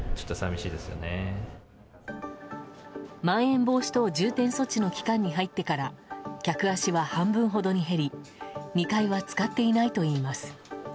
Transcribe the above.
まん延防止等重点措置の期間に入ってから客足は半分ほどに減り２階は使っていないといいます。